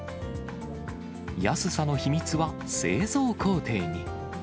安さの秘密は製造工程に。